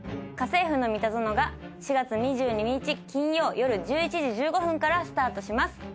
『家政夫のミタゾノ』が４月２２日金曜よる１１時１５分からスタートします。